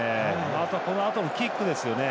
あとはこのあとのキックですよね。